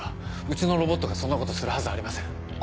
うちのロボットがそんなことするはずありません。